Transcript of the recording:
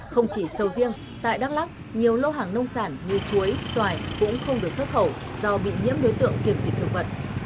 không chỉ sầu riêng tại đắk lắc nhiều lô hàng nông sản như chuối xoài cũng không được xuất khẩu do bị nhiễm đối tượng kiểm dịch thực vật